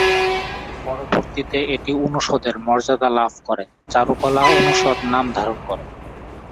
পরবর্তীতে এটি অনুষদের মর্যাদা লাভ করে, চারুকলা অনুষদ নাম ধারণ করে।